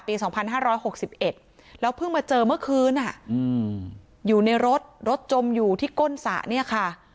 ปี๒๕๖๑แล้วเพิ่งมาเจอเมื่อคืนอยู่ในรถรถจมอยู่ที่ก้นสระเนี่ยค่ะ